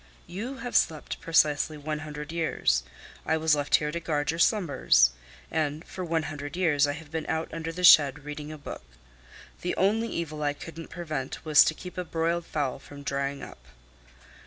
"You have slept precisely one hundred years. I was left here to guard your slumbers; and for one hundred years I have been out under the shed reading a book. The only evil I couldn't prevent was to keep a broiled fowl from drying up."